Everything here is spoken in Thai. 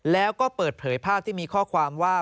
แล้วก็เปิดเผยภาพที่มีข้อความว่า